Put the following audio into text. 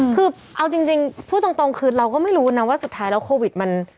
คือเอาจริงพูดตรงคือเราก็ไม่รู้นะว่าสุดท้ายแล้วโควิดมัน